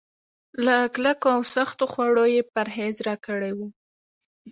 له کلکو او سختو خوړو يې پرهېز راکړی و.